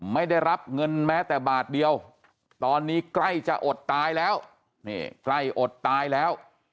ไม่ได้รับเงินแม้แต่บาทเดียวตอนนี้ใกล้จะอดตายแล้ว